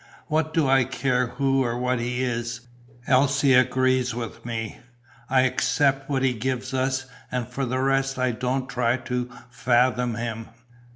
What do I care who or what he is! Else agrees with me. I accept what he gives us and for the rest I don't try to fathom him."